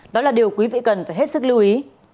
đó là điều quý vị cần phải hết sức lưu ý